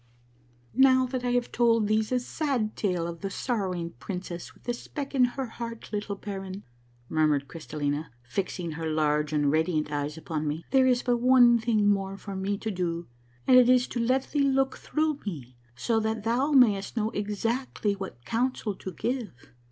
" Now that I have told thee the sad tale of the sorrowing princess with the speck in her heart, little baron," murmured Crystallina, fixing her large and radiant eyes upon me, " there is but one thing more for me to do, and it is to let thee look through me, so that thou mayst know exactly what counsel to give."